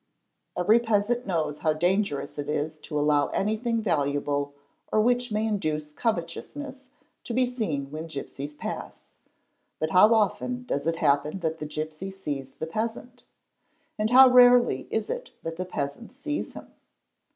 Every peasant knows how dangerous it is to allow anything valuable or which may induce covetousness to be seen when gipsies pass—but how often does it happen that the gipsy sees the peasant? and how rarely it is that the peasant sees him?